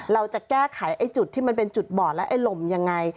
เราจะแก้ไขไอ้จุดที่มันเป็นจุดบอดและไอ้ลมยังไง